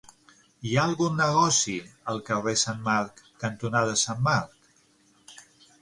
Hi ha algun negoci al carrer Sant Marc cantonada Sant Marc?